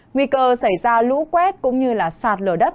nguy cơ xảy ra lũ quét cũng như sạt lở đất